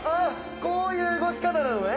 こういう動き方なのね。